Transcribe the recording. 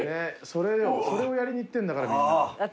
それをやりに行ってんだからみんな。